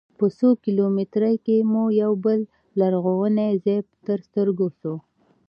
په څو کیلومترۍ کې مو یوه بل لرغونی ځاې تر سترګو سو.